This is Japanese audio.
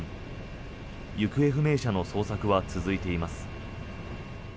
行方不明者の捜索は続いています。